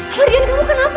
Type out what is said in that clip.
mardian kamu kenapa